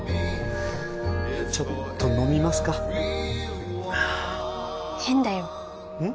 はぁちょっと飲みますか変だよん？